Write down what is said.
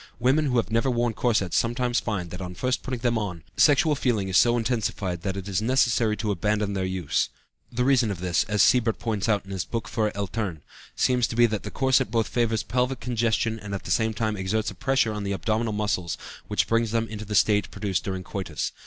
Women who have never worn corsets sometimes find that, on first putting them on, sexual feeling is so intensified that it is necessary to abandon their use. The reason of this (as Siebert points out in his Buch für Eltern) seems to be that the corset both favors pelvic congestion and at the same time exerts a pressure on the abdominal muscles which brings them into the state produced during coitus.